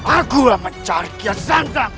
aku yang mencari kias santan